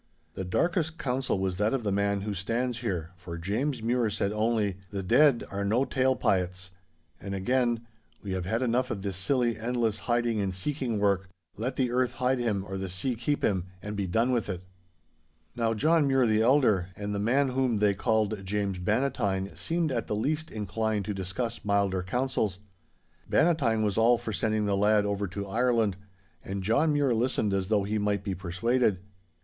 'The darkest counsel was that of the man who stands here, for James Mure said only, "The dead are no tale pyets." And again, "We have had enough of this silly, endless, hiding and seeking work. Let the earth hide him, or the sea keep him—and be done with it!" 'Now John Mure the elder, and the man whom they called James Bannatyne, seemed at the least inclined to discuss milder councils. Bannatyne was all for sending the lad over to Ireland. And John Mure listened as though he might be persuaded.